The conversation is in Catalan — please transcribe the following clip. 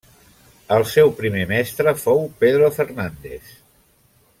El seu primer mestre fou Pedro Fernández.